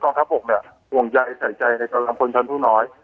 องทัพ๖เนี่ยวงใยใส่ใจในกลางคลมชั้นผู้น้อย